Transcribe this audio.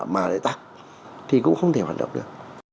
mà lại tắc thì cũng không thể hoạt động được